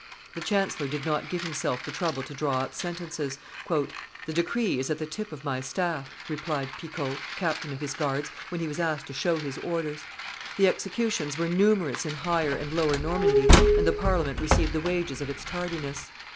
The chancellor did not give himself the trouble to draw up sentences. "The decree is at the tip of my staff," replied Picot, captain of his guards, when he was asked to show his orders. The executions were numerous in Higher and Lower Normandy, and the Parliament received the wages of its tardiness.